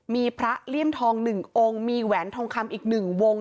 มีพระเลี่ยมทอง๑องค์มีแหวนทองคำอีก๑วง